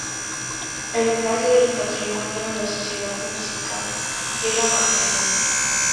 El linaje del patrimonio en la sociedad Muisca era materno.